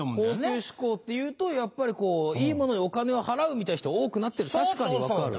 高級志向っていうとやっぱりいいものにお金を払うみたいな人多くなってる確かに分かる。